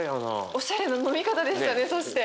おしゃれな飲み方でしたねそして。